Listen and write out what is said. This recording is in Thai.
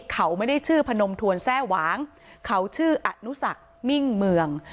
เขาไม่ได้ชื่อพนมทวนแทร่หวางเขาชื่ออนุสักมิ่งเมือง